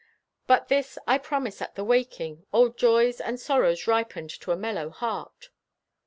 But this I promise at the waking, Old joys, and sorrows ripened to a mellow heart.